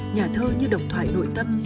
nhà thơ như đọc thoại nội tâm